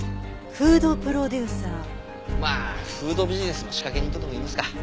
まあフードビジネスの仕掛け人とでもいいますか。